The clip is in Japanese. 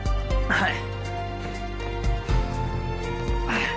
はい。